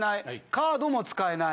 カードも使えない。